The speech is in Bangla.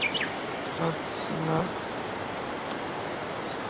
সার্জ, না!